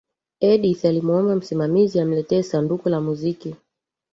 edith alimuomba msimamizi amletee sanduku la muziki